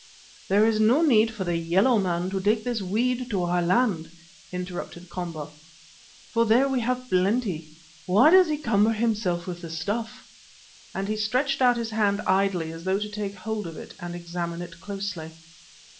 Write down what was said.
"There is no need for the yellow man to take this weed to our land," interrupted Komba, "for there we have plenty. Why does he cumber himself with the stuff?" and he stretched out his hand idly as though to take hold of and examine it closely.